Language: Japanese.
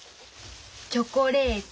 チョコレート。